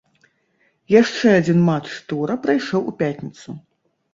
Яшчэ адзін матч тура прайшоў у пятніцу.